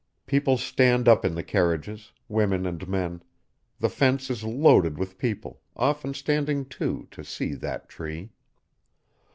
People stand up in the carriages, women and men; the fence is loaded with people, often standing, too, to see that tree.